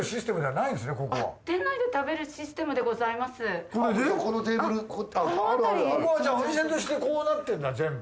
ここはじゃあお店としてこうなってるんだ全部。